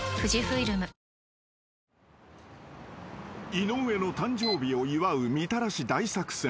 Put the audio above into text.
［井上の誕生日を祝うみたらし大作戦］